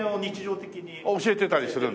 教えてたりする？